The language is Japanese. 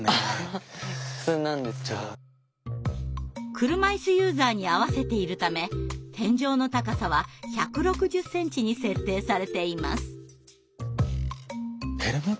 車いすユーザーに合わせているため天井の高さは１６０ｃｍに設定されています。